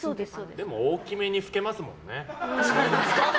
でも大きめに拭けますもんね。